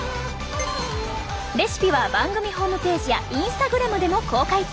レシピは番組ホームページやインスタグラムでも公開中！